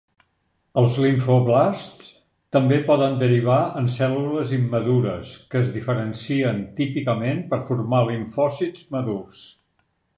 Els limfoblasts també poden derivar en cèl·lules immadures que es diferencien típicament per formar limfòcits madurs.